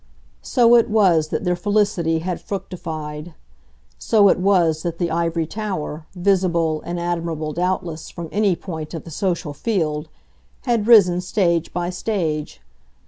So it was that their felicity had fructified; so it was that the ivory tower, visible and admirable doubtless, from any point of the social field, had risen stage by stage.